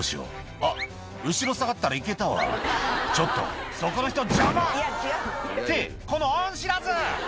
「あっ後ろ下がったら行けたわちょっとそこの人邪魔！」ってこの恩知らず！